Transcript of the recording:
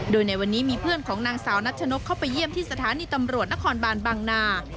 โดยในวันนี้มีเพื่อนของนางสาวนัชนกเข้าไปเยี่ยมที่สถานีตำรวจนครบานบางนา